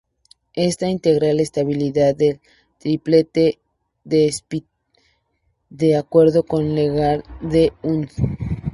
Esta integral estabiliza el triplete de espín, de acuerdo con la regla de Hund.